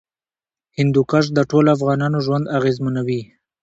هندوکش د ټولو افغانانو ژوند اغېزمنوي.